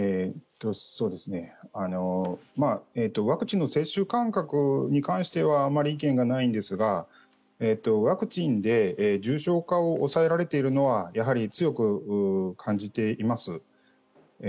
ワクチンの接種間隔に関してはあまり意見がないんですがワクチンで重症化を抑えられているのはやはり強く感じています。